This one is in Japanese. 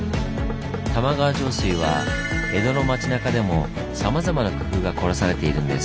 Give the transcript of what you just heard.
玉川上水は江戸の町なかでもさまざまな工夫が凝らされているんです。